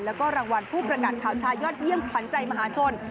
แล้วก็รางวัลผู้ประกาศข่าวชายยอดเยี่ยมขวัญใจมหาชน